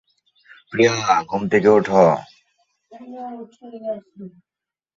এই প্রজাতির একটি ফুলে তিন রং থাকে।